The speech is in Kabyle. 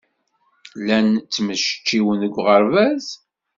Llan ttmecčiwen deg uɣerbaz?